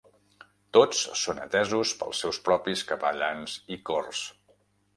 Tots són atesos pels seus propis capellans i cors.